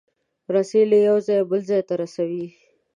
رسۍ له یو ځایه بل ځای ته رسوي.